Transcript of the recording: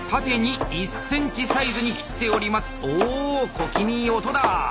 小気味いい音だ！